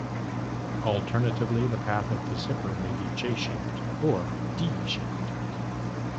Alternatively, the path of the zipper may be J-shaped or D-shaped.